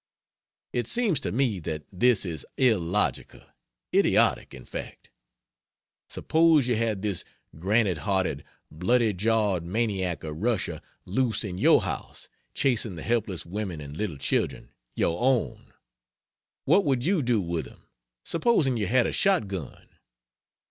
It seems to me that this is illogical idiotic, in fact. Suppose you had this granite hearted, bloody jawed maniac of Russia loose in your house, chasing the helpless women and little children your own. What would you do with him, supposing you had a shotgun?